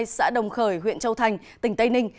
xã đồng khởi huyện châu thành tỉnh tây ninh